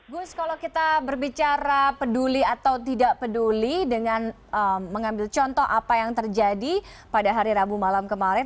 gus kalau kita berbicara peduli atau tidak peduli dengan mengambil contoh apa yang terjadi pada hari rabu malam kemarin